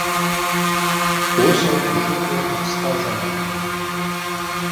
Ус ауп ишыҟоу аԥсҭазаараҿы.